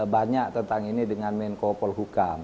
banyak tentang ini dengan menko polhukam